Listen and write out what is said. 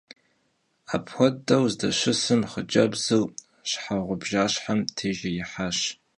Apxuedeu zdeşısım xhıcebzır şxheğubjjaşhem têjjêihaş.